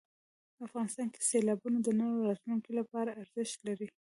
افغانستان کې سیلابونه د نن او راتلونکي لپاره ارزښت لري.